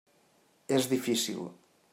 És difícil.